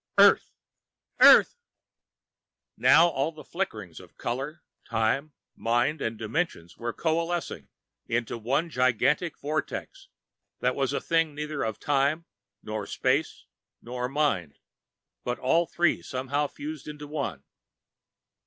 Earth! EARTH! Now all the flickerings, of color, time, mind and dimensions, were coalescing into one gigantic vortex, that was a thing neither of time, nor space, nor mind, but all three somehow fused into one....